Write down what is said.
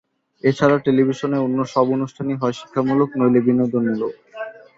এ ছাড়া টেলিভিশনের অন্য সব অনুষ্ঠানই হয় শিক্ষামূলক, নইলে বিনোদনমূলক।